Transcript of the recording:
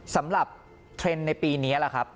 สำหรับเทรนด์ในปีนี้แหละครับ